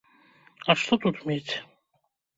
А што тут мець?